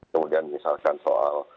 kemudian misalkan soal